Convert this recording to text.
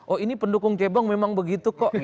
oh ini pendukung cebong memang begitu kok